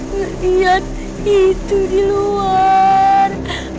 lihat itu di luar